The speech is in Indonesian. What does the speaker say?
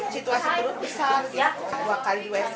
cuman situasi perut besar